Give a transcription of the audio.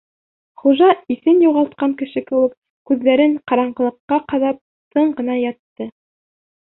Хужа иҫен юғалтҡан кеше кеүек күҙҙәрен ҡараңғылыҡҡа ҡаҙап тын ғына ятты.